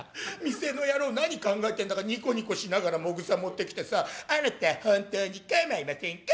店の野郎何考えてんだかニコニコしながらもぐさ持ってきてさ『あなた本当に構いませんか？』